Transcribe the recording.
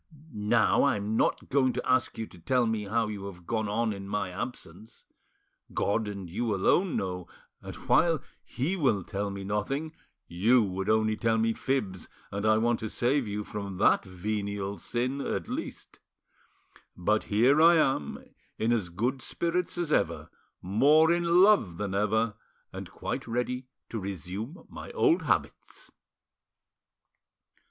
Now I'm not going to ask you to tell me how you have gone on in my absence. God and you alone know, and while He will tell me nothing, you would only tell me fibs, and I want to save you from that venial sin at least. But here I am, in as good spirits as ever, more in love than ever, and quite ready to resume my old habits."